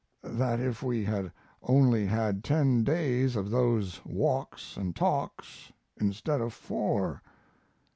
that if we had only had ten days of those walks and talks instead of four.